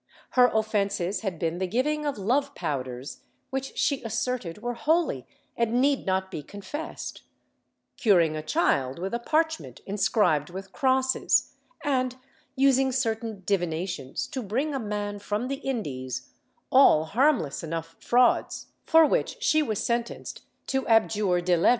Her offences had been the giving of love powders, which she asserted were holy and need not be confessed; curing a child with a parchment inscribed with crosses, and using certain divinations to bring a man from the Indies — all harmless enough frauds, for which she was sentenced to abjure de levi, ^ Bulario de la Orden de Santiago, Lib.